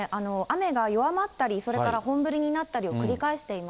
雨が弱まったり、それから本降りになったりを繰り